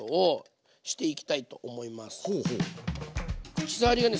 口触りがね